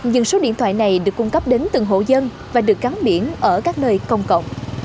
nhưng số điện thoại này được cung cấp đến từng hộ dân và được gắn biển ở các nơi công cộng